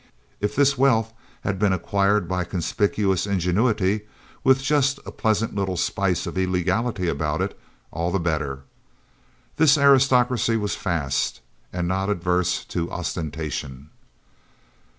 If this wealth had been acquired by conspicuous ingenuity, with just a pleasant little spice of illegality about it, all the better. This aristocracy was "fast," and not averse to ostentation.